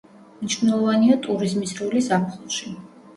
მნიშვნელოვანია ტურიზმის როლი ზაფხულში.